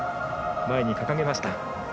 前に掲げました。